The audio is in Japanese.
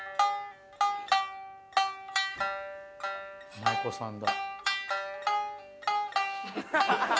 舞妓さんだ。